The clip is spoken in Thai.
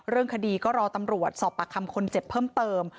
เรื่องคดีก็รอตำรวจสอบปากคำคนเจ็บเพิ่มเติม